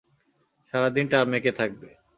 সারাদিন টার্মেকে থাকবে।